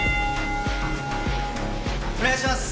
お願いします！